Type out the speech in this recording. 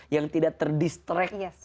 yang tidak terdistract